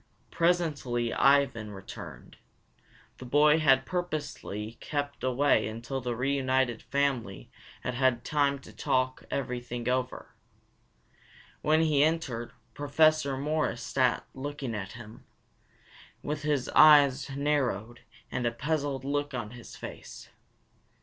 Presently Ivan returned. The boy had purposely kept away until the reunited family had had time to talk everything all over. When he entered, Professor Morris sat looking at him, with his eyes narrowed and a puzzled look on his face.